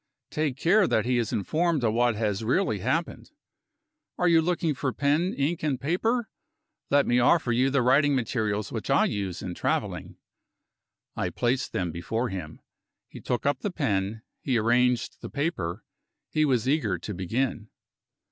Take care that he is informed of what has really happened. Are you looking for pen, ink, and paper? Let me offer you the writing materials which I use in traveling." I placed them before him. He took up the pen; he arranged the paper; he was eager to begin.